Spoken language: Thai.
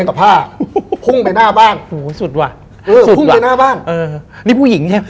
ครบพลังพ่วงไปหน้าบ้านเว้อพื้นเวย์หน้าบ้านเออนี่ภูวิหญิงใช่ไหม